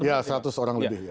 ya seratus orang lebih